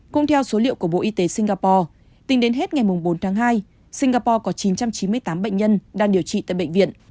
cũng theo số liệu của bộ y tế singapore tính đến hết ngày bốn tháng hai singapore có chín trăm chín mươi tám bệnh nhân đang điều trị tại bệnh viện